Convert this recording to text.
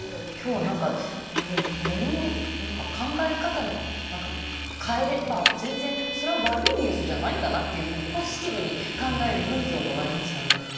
今日は何かものの考え方の何か変えれば全然それは悪いニュースじゃないんだなっていうふうにポジティブに考える勇気をもらいましたね。